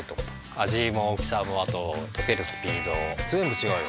味も大きさもあととけるスピードぜんぶちがうよ。